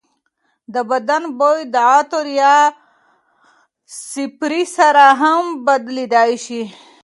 د بدن بوی د عطر یا سپرې سره هم بدلېدای شي.